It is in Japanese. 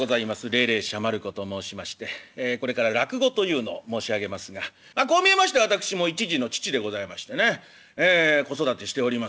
鈴々舎馬ること申しましてこれから落語というのを申し上げますがこう見えまして私も１児の父でございましてねええ子育てしておりますよ。